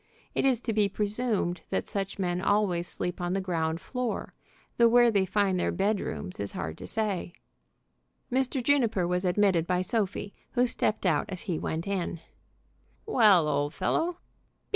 It is to be presumed that such men always sleep on the ground floor, though where they find their bed rooms it is hard to say. Mr. Juniper was admitted by Sophie, who stepped out as he went in. "Well, old fellow!